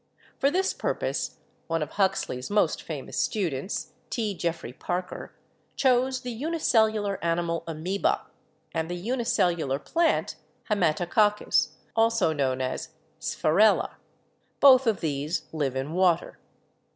For this purpose one of Huxley's most famous students, T. Jeffery Parker, chose the unicellular animal 'Amoeba' and the unicellular plant 'Haematococcus,' also known as 'Sphaer ella.' Both of these live in water.